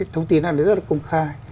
thông tin đó nó rất là công khai